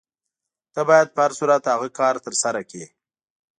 ته باید په هر صورت هغه کار ترسره کړې.